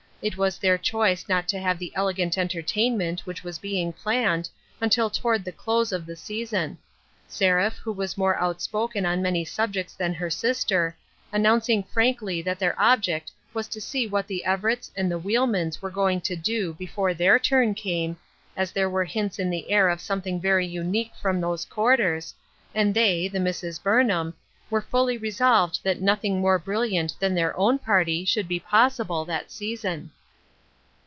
It was their choice not to have the elegant entertain ment which was being planned, until toward the close of the season ; Seraph, who was more out spoken on many subjects than her sister, announc ing frankly that their object was to see what the Everetts and the Wheelmans were going to do before their turn came, as there were hints in the air of something very unique from those quarters, and they, the Misses Burnham, were fully resolved that nothing more brilliant than their own party should be possible, that season.